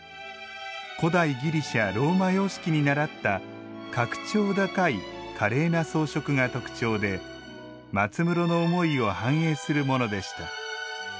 古代ギリシャ・ローマ様式にならった格調高い華麗な装飾が特徴で松室の思いを反映するものでした。